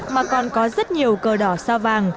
mà còn có rất nhiều cơ đỏ sao vàng